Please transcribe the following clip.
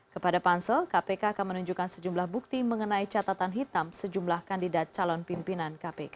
kepada pansel kpk akan menunjukkan sejumlah bukti mengenai catatan hitam sejumlah kandidat calon pimpinan kpk